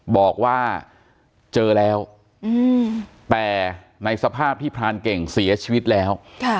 บอกว่าเจอแล้วแต่ในสภาพที่พรานเก่งเสียชีวิตแล้ว